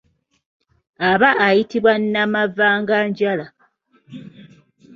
Aba ayitibwa nnamavaganjala.